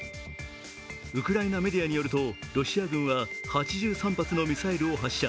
ウクライナメディアによると、ロシア軍は８３発のミサイルを発射。